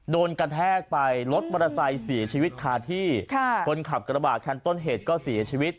โดนกระแทกไปรถมอเตอร์ไซค์เสียชีวิตคาที่ค่ะคนขับกระบาดคันต้นเหตุก็เสียชีวิต